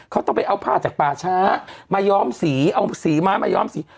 เขาต้องไปเอาภาคจากป่าช้ามายอมศรีเอาศรีม้ามายอมศรี